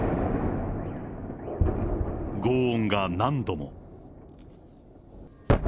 ごう音が何度も。